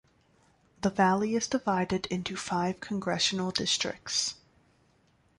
The valley is divided into five congressional districts.